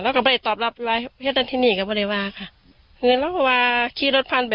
แล้วก็ได้ตอบรับไว้พี่น้องเที่ยงนี้ก็บอกได้ว่าค่ะแล้วเราว่าคลีย์รถพ่านไป